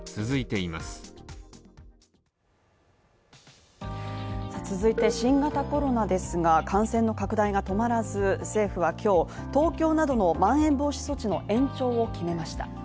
続いて新型コロナですが、感染の拡大が止まらず、政府は今日、東京などのまん延防止措置の延長を決めました。